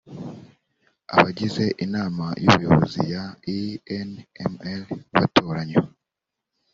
abagize inama y ubuyobozi ya inmr batoranywa